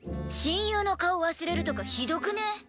親友の顔忘れるとかひどくね？